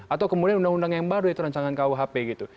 atau kemudian undang undang yang baru itu rancangan kuhp gitu